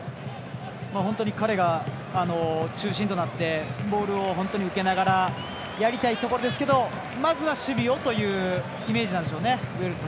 本当に彼が、中心となってボールを本当に受けながらやりたいところですがまずは守備からというところですね。